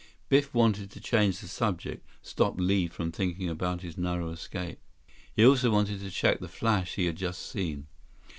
'" Biff wanted to change the subject, stop Li from thinking about his narrow escape. He also wanted to check the flash he had just seen.